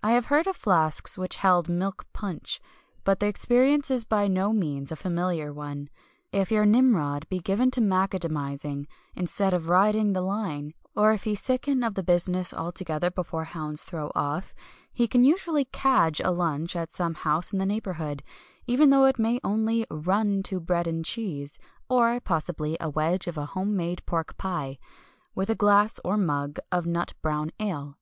I have heard of flasks which held milk punch, but the experience is by no means a familiar one. If your Nimrod be given to "macadamising," instead of riding the line, or if he sicken of the business altogether before hounds throw off, he can usually "cadge" a lunch at some house in the neighbourhood, even though it may only "run to" bread and cheese or, possibly, a wedge of a home made pork pie with a glass, or mug, of nut brown ale.